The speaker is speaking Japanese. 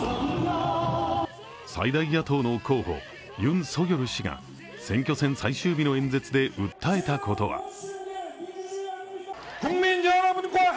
最大野党の候補ユン・ソギョル氏が選挙戦最終日の演説で訴えたことは。